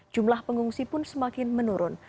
jumlah pengungsi pun semakin menurun